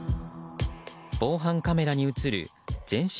防犯カメラに映る全身